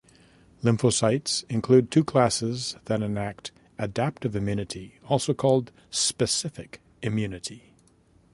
Lymphocytes include two classes that enact adaptive immunity, also called specific immunity.